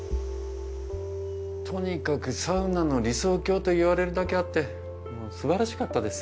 とにかくサウナの理想郷と言われるだけあってもうすばらしかったです。